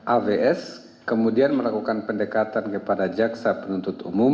avs kemudian melakukan pendekatan kepada jaksa penuntut umum